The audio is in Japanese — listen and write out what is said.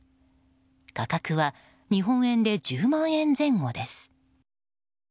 価格は日本円で１０万円前後です。